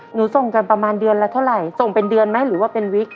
ส่งกันประมาณเดือนละเท่าไหร่ส่งเป็นเดือนไหมหรือว่าเป็นวิก